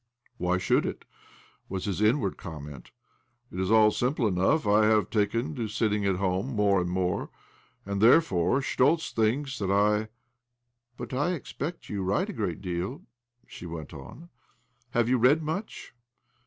''Why should it?" was his inward com ment. ' It is all simple enough. I have taken to sitting at home more and more, and therefore Schtoltz thinks that I "' But I expect you write a great deal?" she wemt on. "And have you read much?